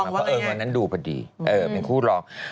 เพราะเอิญวันนั้นดูพอดีเป็นคู่รอง